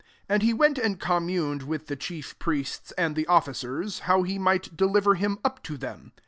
4 And he went and communed with the chief priests and the officers, how he might deliver him up to them.